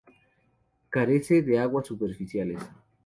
Carece de aguas superficiales.